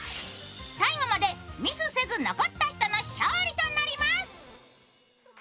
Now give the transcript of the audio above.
最後までミスせず残った人の勝利となります。